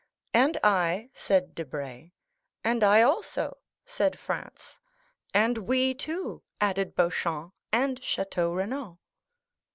"And I," said Debray. "And I also," said Franz. "And we, too," added Beauchamp and Château Renaud.